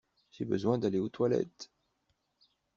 J'ai besoin d'aller aux toilettes.